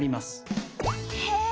へえ！